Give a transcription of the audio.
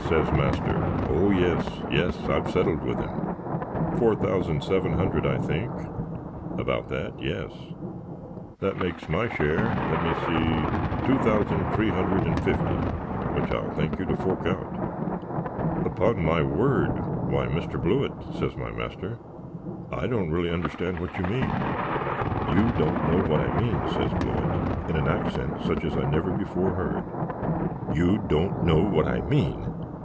says master. "Oh yes yes I've settled with him." "Four thousand seven hundred, I think?" "About that yes." "That makes my share let me see two thousand three hundred and fifty; which I'll thank you to fork out." "Upon my word why Mr. Blewitt," says my master, "I don't really understand what you mean." "You don't know what I mean!" says Blewitt, in an axent such as I never before heard. "You don't know what I mean!